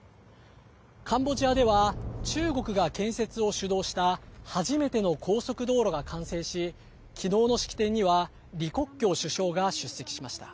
カンボジアでは中国が建設を主導した初めての高速道路が完成し昨日の式典には李克強首相が出席しました。